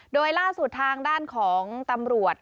โดยล่าสุดทางด้านของตำรวจ